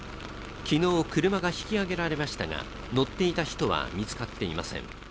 昨日、車が引き揚げられましたが乗っていた人は見つかっていません。